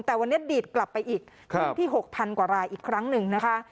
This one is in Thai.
แต่วันนี้ดีดกลับไปอีกถึงที่๖๐๐กว่ารายอีกครั้งหนึ่งนะคะ